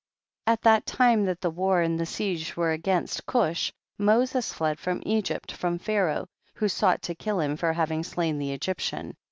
21. At that time that the war and the siecre were against Cush, Moses fled from Egypt from Pharaoh who sought to kill him for having slain the Egyptian.